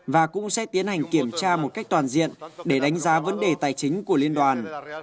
và cũng sẽ tiến hành kiểm tra một cách toàn diện để đánh giá vấn đề tài chính của liên đoàn